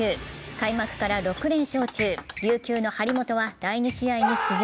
開幕から６連勝中、琉球の張本は第２試合に出場。